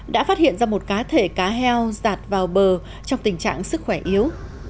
đã phát hiện ra một cá thể cá heo giạt vào bờ trong tình trạng sức khỏe yếu